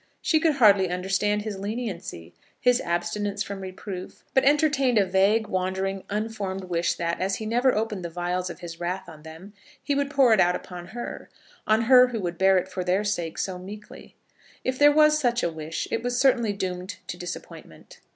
She could hardly understand his leniency, his abstinence from reproof; but entertained a vague, wandering, unformed wish that, as he never opened the vials of his wrath on them, he would pour it out upon her, on her who would bear it for their sake so meekly. If there was such a wish it was certainly doomed to disappointment.